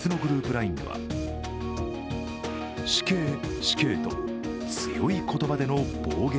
ＬＩＮＥでは死刑、死刑と強い言葉での暴言